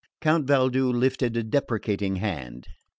Count Valdu lifted a deprecating hand.